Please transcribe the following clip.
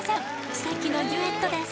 奇跡のデュエットです